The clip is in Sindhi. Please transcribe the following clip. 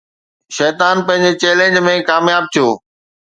شيطان پنهنجي چئلينج ۾ ڪامياب ٿيو